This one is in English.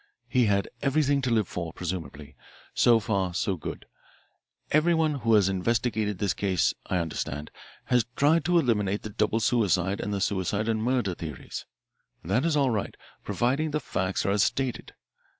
He had everything to live for, presumably. So far, so good. Everyone who has investigated this case, I understand, has tried to eliminate the double suicide and the suicide and murder theories. That is all right, providing the facts are as stated.